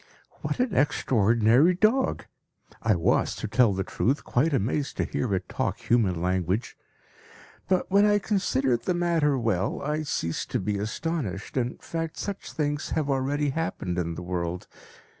What an extraordinary dog! I was, to tell the truth, quite amazed to hear it talk human language. But when I considered the matter well, I ceased to be astonished. In fact, such things have already happened in the world.